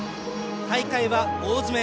大会は大詰め。